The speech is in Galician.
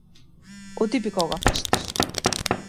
O típico augafestas.